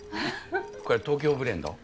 これ東京ブレンド？